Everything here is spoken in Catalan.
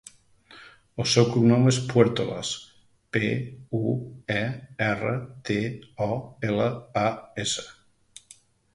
El seu cognom és Puertolas: pe, u, e, erra, te, o, ela, a, essa.